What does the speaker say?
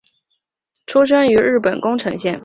出生于日本宫城县。